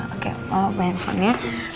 oke mau main phone ya